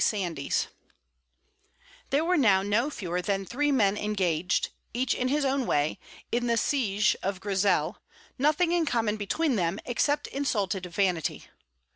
SANDYS There were now no fewer than three men engaged, each in his own way, in the siege of Grizel, nothing in common between them except insulted vanity.